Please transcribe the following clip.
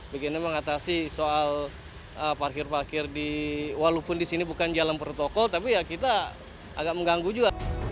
begini mengatasi soal parkir parkir di walaupun di sini bukan jalan protokol tapi ya kita agak mengganggu juga